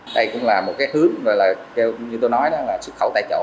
đây cũng là một cái hướng rồi là như tôi nói đó là xuất khẩu tại chỗ